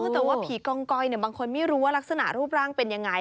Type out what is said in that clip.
แต่ว่าผีกองก้อยบางคนไม่รู้ว่ารักษณะรูปร่างเป็นยังไง